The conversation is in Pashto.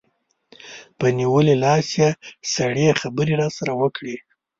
په نیولي لاس یې سړې خبرې راسره وکړې.